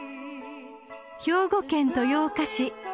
［兵庫県豊岡市］